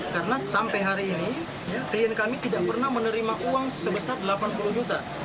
karena sampai hari ini klien kami tidak pernah menerima uang sebesar delapan puluh juta